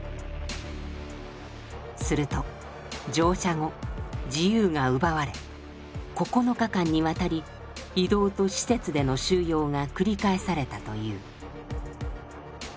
すると乗車後自由が奪われ９日間にわたり移動と施設での収容が繰り返されたという。